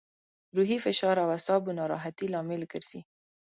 روحي فشار او اعصابو ناراحتي لامل ګرځي.